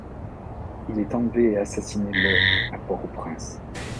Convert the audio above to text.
Il est enlevé et assassiné le à Port-au-Prince.